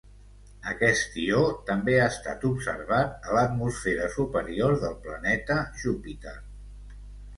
Aquest ió també ha estat observat a l'atmosfera superior del planeta Júpiter.